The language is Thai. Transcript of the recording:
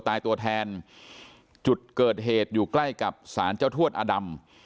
ตายตัวแทนจุดเกิดเหตุอยู่ใกล้กับสารเจ้าทวดอดำ